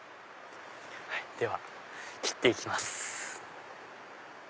では切って行きます。